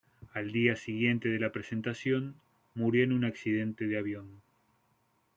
Al día siguiente de la presentación, murió en un accidente de avión.